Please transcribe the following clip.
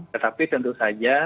tetapi tentu saja